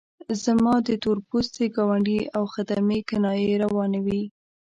زما د تور پوستي ګاونډي او خدمې کنایې روانې وې.